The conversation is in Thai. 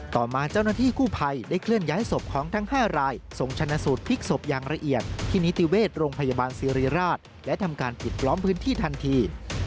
ต่อมาเจ้าหน้าที่กู้ภัยได้เคลื่อนย้ายศพของทั้ง๕รายส่งชนะสูตรพลิกศพอย่างละเอียดที่นิติเวชโรงพยาบาลสิริราชและทำการปิดล้อมพื้นที่ทันที